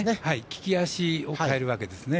利き脚を変えるわけですね。